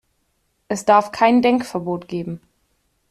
Es darf kein Denkverbot geben.